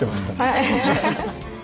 はい。